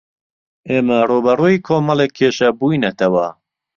ئێمە ڕووبەڕووی کۆمەڵێک کێشە بووینەتەوە.